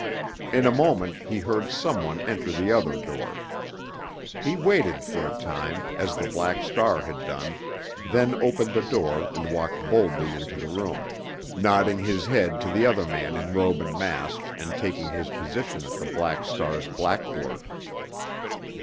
In a moment he heard some one enter the other door. He waited for a time, as the Black Star had done, then opened the door and walked boldly into the room, nodding his head to the other man in robe and mask and taking his position at the Black Star's blackboard.